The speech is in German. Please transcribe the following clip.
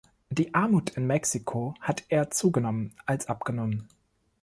Die Armut in Mexiko hat eher zugenommen als abgenommen.